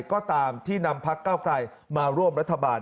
ก็ตามที่นำพักเก้าไกลมาร่วมรัฐบาล